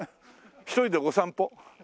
１人でお散歩？